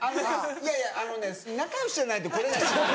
いやいやあのね仲良しじゃないと来れないのよ。